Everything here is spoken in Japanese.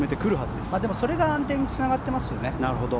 でもそれが安定につながっていますよね。